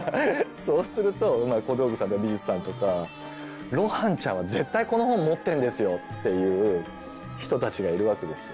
そうすると小道具さんとか美術さんとか「露伴ちゃんは絶対この本持ってんですよ！」っていう人たちがいるわけですよ。